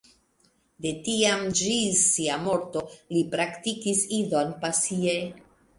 De tiam ĝis sia morto, li praktikis Idon pasie.